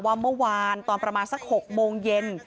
เมื่อวานตอนประมาณสัก๖โมงเย็น